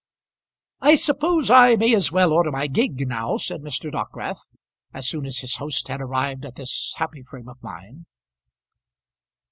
"I suppose I may as well order my gig now," said Mr. Dockwrath, as soon as his host had arrived at this happy frame of mind.